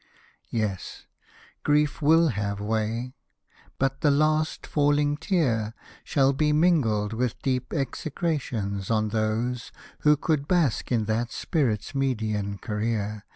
Yes, grief will have way — but the fast falling tear Shall be mingled with deep execrations on those, Who could bask in that Spirit's meridian career.